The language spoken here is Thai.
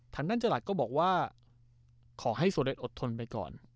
ทางด้านจรัสก็บอกว่าขอให้โซเลสอดทนไปก่อน